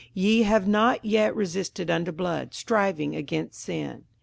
58:012:004 Ye have not yet resisted unto blood, striving against sin.